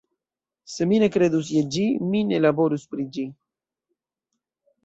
Se mi ne kredus je ĝi, mi ne laborus pri ĝi.